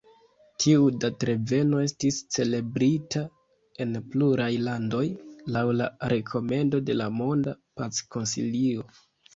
Tiu datreveno estis celebrita en pluraj landoj laŭ la rekomendo de la Monda Pac-Konsilio.